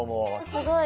すごい。